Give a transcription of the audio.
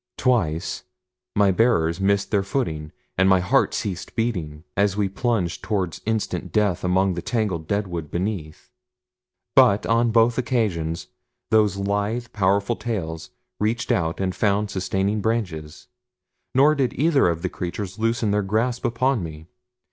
Twice my bearers missed their footing, and my heart ceased beating as we plunged toward instant death among the tangled deadwood beneath. But on both occasions those lithe, powerful tails reached out and found sustaining branches, nor did either of the creatures loosen their grasp upon me.